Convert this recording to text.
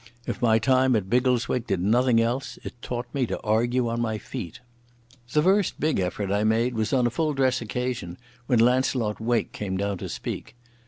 If my time at Biggleswick did nothing else it taught me to argue on my feet. The first big effort I made was on a full dress occasion, when Launcelot Wake came down to speak.